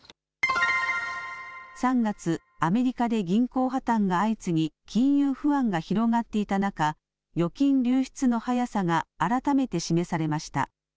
３月、アメリカで銀行破綻が相次ぎ金融不安が広がっていた中、預金流出の速さが改めて示されました。